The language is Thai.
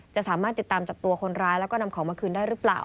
จะสามารถติดตามจับตัวคนร้ายแล้วก็นำของมาคืนได้หรือเปล่า